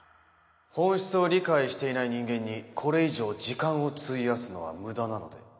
本質を理解していない人間にこれ以上時間を費やすのは無駄なので。